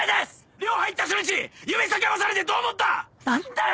寮入った初日夢叫ばされてどう思った⁉何だよ